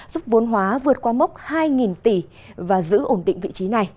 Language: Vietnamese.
giúp vốn hóa vượt qua mốc hai tỷ và giữ ổn định vị trí này